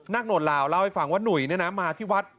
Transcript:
โหนดลาวเล่าให้ฟังว่าหนุ่ยมาที่วัด